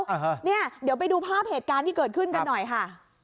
อ่าฮะเนี่ยเดี๋ยวไปดูภาพเหตุการณ์ที่เกิดขึ้นกันหน่อยค่ะ